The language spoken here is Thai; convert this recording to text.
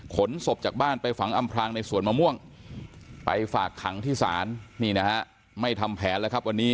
ขนศพจากบ้านไปฝังอำพลางในสวนมะม่วงไปฝากขังที่ศาลนี่นะฮะไม่ทำแผนแล้วครับวันนี้